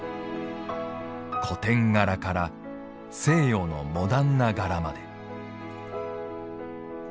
古典柄から西洋のモダンな柄まで。